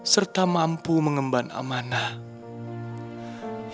serta mampu mengemban amanah